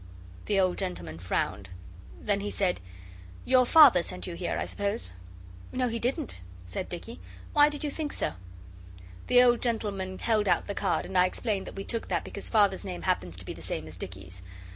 The old gentleman frowned. Then he said, 'Your Father sent you here, I suppose?' 'No he didn't,' said Dicky. 'Why did you think so?' The old gentleman held out the card, and I explained that we took that because Father's name happens to be the same as Dicky's.